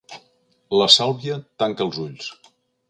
La Sàlvia tanca els ulls.